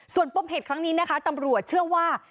ส่วนปมเหตุครั้งนี้นะคะตำรวจเชื่อว่า